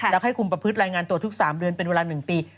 แล้วให้คุมประพฤติรายงานตัวทุก๓เดือนเป็นเวลา๑ปี